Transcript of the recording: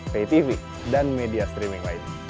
ktv dan media streaming lain